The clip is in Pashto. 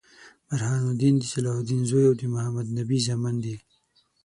برهان الدين د صلاح الدین زوي او د محمدنبي زامن دي.